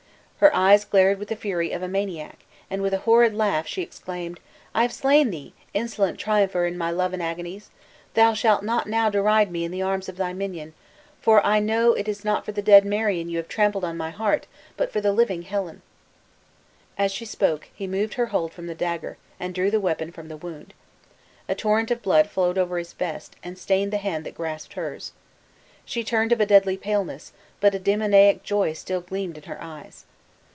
Her eyes glared with the fury of a maniac, and, with a horrid laugh, she exclaimed: "I have slain thee, insolent triumpher in my love and agonies! Thou shalt not now deride me in the arms of thy minion; for, I know that it is not for the dead Marion you have trampled on my heart but for the living Helen!" As she spoke, he moved her hold from the dagger, and drew the weapon from the wound. A torrent of blood flowed over his vest, and stained the hand that grasped hers. She turned of a deadly paleness, but a demoniac joy still gleamed in her eyes.